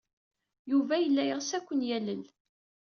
Yuba yella yeɣs ad ken-yalel.